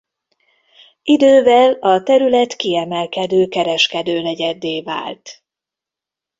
Idővel a terület kiemelkedő kereskedő negyeddé vált.